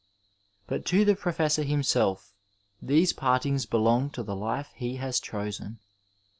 But to the proffssor himself these partings belong to the life he has chosen.